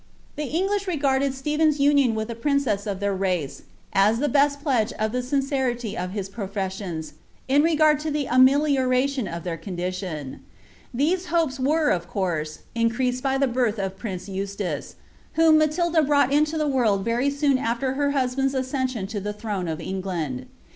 The Eiigliah regarded Siephen's union with a priiicm of tluv nee as the bon pledge of the Biaerriiy of his profesaioru in n^rd u> ih« ameliorBlioQ of iheir condition. These hopes were, of course, increaMj by the birth of prince Enstnce, whom Matilda brought into the world Tory soon after her hiwhanU's accession lo the throne of EngUnJ.